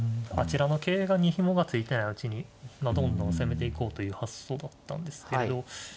あちらの桂馬にひもが付いてないうちにどんどん攻めていこうという発想だったんですけれど。